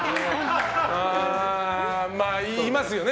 まあ、いますよね。